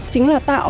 chính là tạo